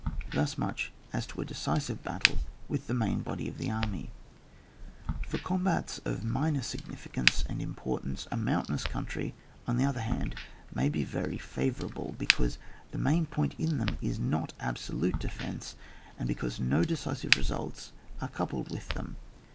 Thus much as to a decisive batUe with the main body of the army.— For combats of minor significance and importance, a moimtainous country, on the other hand, may be very favourable, because the main point in them is not absolute defence, and because no decisive results are coupled with them.